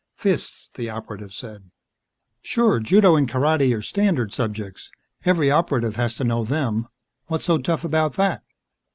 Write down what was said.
"Fists," the Operative said. "Sure Judo and Karate are standard subjects every Operative has to know them. What's so tough about that?"